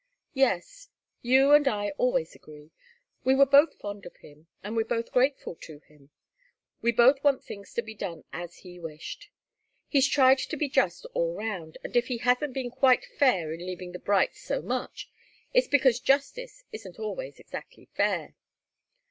"Yes. You and I always agree. We were both fond of him, and we're both grateful to him. We both want things to be done as he wished. He's tried to be just all round, and if he hasn't been quite fair in leaving the Brights so much, it's because justice isn't always exactly fair.